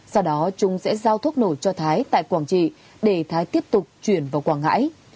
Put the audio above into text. sau đó trung sẽ giao thuốc nổ cho thái tại quảng trị để thái tiếp tục chuyển vào quảng ngãi